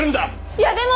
いやでも。